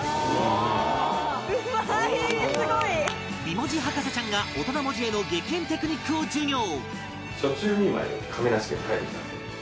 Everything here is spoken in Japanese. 美文字博士ちゃんが大人文字への激変テクニックを授業